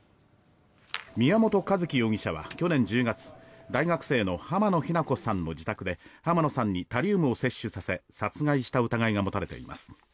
宮本一希容疑者は去年１０月大学生の浜野日菜子さんの自宅で浜野さんにタリウムを摂取させ殺害した疑いが持たれています。